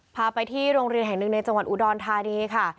พาไปที่โรงเรียนแห่งหนึ่งในจังหวัดอุดรธานีค่ะ